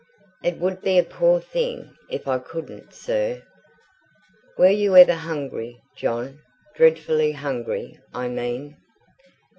"It would be a poor thing if I couldn't, sir." "Were you ever hungry, John dreadfully hungry, I mean?"